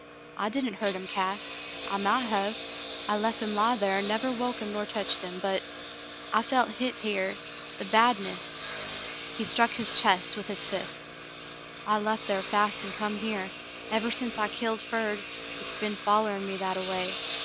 "L didn't hurt him, Cass. I mount hev. I lef him lie thar an' never woke him nor teched him, but — I felt hit here — the badness." He struck his chest with his fist. "I lef thar fast an' come here. Ever sence I killed Ferd, hit's be'n follerin' me that a way.